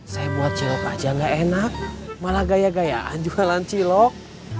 saya buat cilok aja gak enak malah gaya gayaan jualan cilok